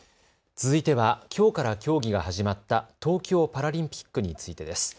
続いては、きょうから競技が始まった東京パラリンピックについてです。